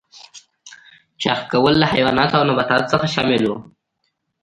چرخ کول له حیواناتو او نباتاتو څخه شامل و.